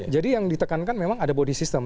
jadi yang ditekankan memang ada body system